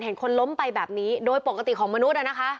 เห็นคนล้มไปแบบนี้โดยปกติของมนุษย์นะคะ